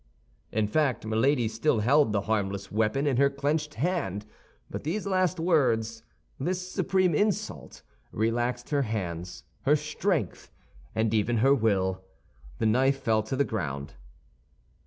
In fact, Milady still held the harmless weapon in her clenched hand; but these last words, this supreme insult, relaxed her hands, her strength, and even her will. The knife fell to the ground.